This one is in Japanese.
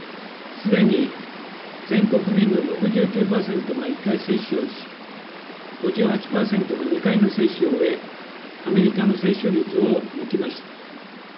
すでに全国民の６９％が１回接種をし、５８％が２回の接種を終え、アメリカの接種率を抜きました。